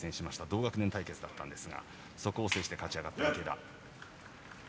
同学年対決だったんですがそこを制して勝ち上がった池田。